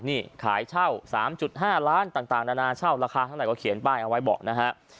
นี่ขายเช่า๓๕ล้านต่างนานาเช่าราคาเท่าไหร่ก็เขียนป้ายเอาไว้บอกนะฮะ